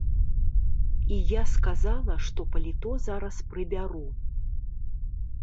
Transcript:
І я сказала, што паліто зараз прыбяру.